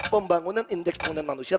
pembangunan indeks penggunaan manusia